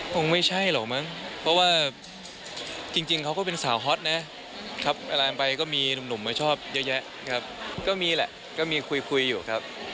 คงไม่ใช่หรอกมั้งเพราะว่าจริงเขาก็เป็นสาวฮอตนะครับอะไรไปก็มีหนุ่มมาชอบเยอะแยะครับก็มีแหละก็มีคุยคุยอยู่ครับ